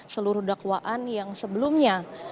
seluruh dakwaan yang sebelumnya